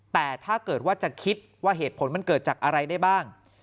แต่ถ้าเกิดว่าจะคิดว่าเหตุผลมันเกิดจากอะไรได้บ้าง